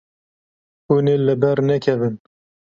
Hûn ê li ber nekevin.